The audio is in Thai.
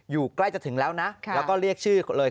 อยู่ใกล้จะถึงแล้วนะแล้วก็เรียกชื่อเลย